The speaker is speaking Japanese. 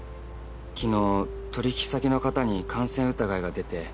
昨日取引先の方に感染疑いが出て。